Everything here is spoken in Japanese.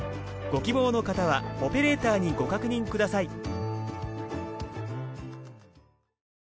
ご希望の方はオペレーターにご確認ください。